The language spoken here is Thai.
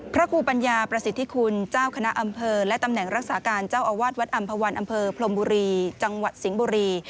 ครูปัญญาประสิทธิคุณเจ้าคณะอำเภอและตำแหน่งรักษาการเจ้าอาวาสวัดอำภาวันอำเภอพรมบุรีจังหวัดสิงห์บุรี